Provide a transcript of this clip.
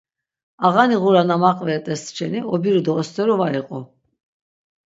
Ağani ğura na maqveret̆es şeni, obiru do osteru var iqu.